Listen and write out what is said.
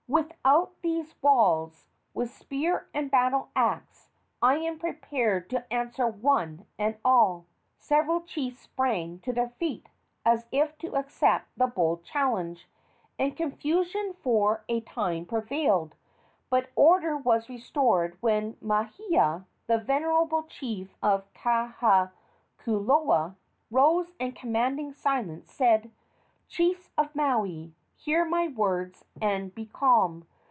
Without these walls, with spear and battle axe, I am prepared to answer one and all!" Several chiefs sprang to their feet, as if to accept the bold challenge, and confusion for a time prevailed; but order was restored when Mahia, the venerable chief of Kahakuloa, rose and, commanding silence, said: "Chiefs of Maui, hear my words and be calm.